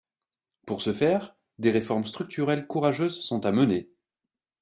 Pour ce faire, des réformes structurelles courageuses sont à mener.